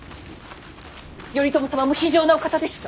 頼朝様も非情なお方でした。